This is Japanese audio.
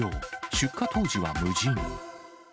出火当時は無人。